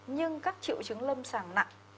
nhưng các triệu chứng lâm sàng nặng